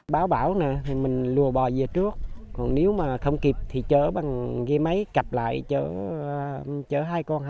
bão bão thì mình lùa bò về trước còn nếu mà không kịp thì chở bằng ghi máy cặp lại chở hai con